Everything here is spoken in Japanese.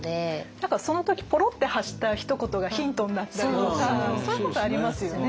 何かその時ぽろって発したひと言がヒントになったりとかそういうことありますよね。